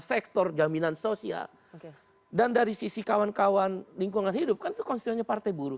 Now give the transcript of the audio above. sektor jaminan sosial dan dari sisi kawan kawan lingkungan hidup kan itu konstituennya partai buruh